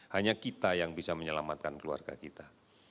hanya kita yang bisa menyelamatkan keluarga kita